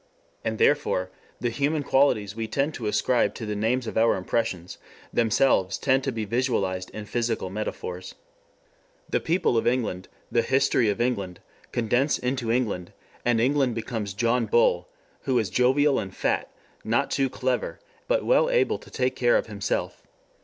And therefore, the human qualities we tend to ascribe to the names of our impressions, themselves tend to be visualized in physical metaphors. The people of England, the history of England, condense into England, and England becomes John Bull, who is jovial and fat, not too clever, but well able to take care of himself.